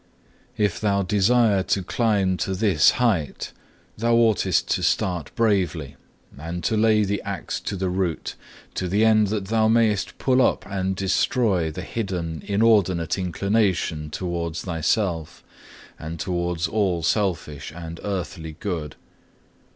3. "If thou desire to climb to this height, thou oughtest to start bravely, and to lay the axe to the root, to the end that thou mayest pull up and destroy the hidden inordinate inclination towards thyself, and towards all selfish and earthly good.